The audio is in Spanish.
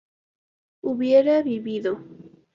hubiera vivido